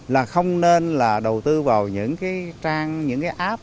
là không nên là đầu tư vào những cái app